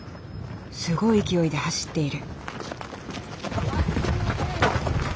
すごい勢いで走っている。